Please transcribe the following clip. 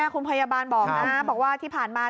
คุณพยาบาลบอกนะบอกว่าที่ผ่านมา